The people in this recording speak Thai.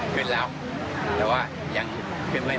ขึ้นแล้วแต่ว่ายังขึ้นไม่หมด